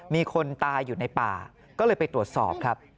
มีคนตายอยู่ในป่าก็เลยไปตรวจสอบครับ